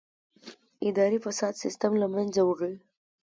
اداري فساد سیستم له منځه وړي.